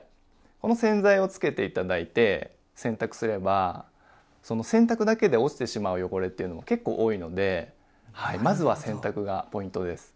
この洗剤をつけて頂いて洗濯すればその洗濯だけで落ちてしまう汚れっていうのも結構多いのでまずは洗濯がポイントです。